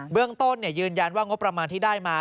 เรื่องต้นยืนยันว่างบประมาณที่ได้มา